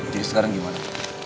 jadi sekarang gimana